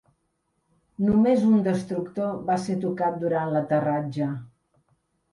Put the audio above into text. Només un destructor va ser tocat durant l'aterratge.